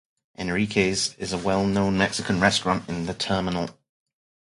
"Enrique's" is a well known Mexican restaurant in the terminal.